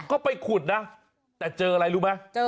ก็ไปขุดนะแต่เจออะไรรู้ไหม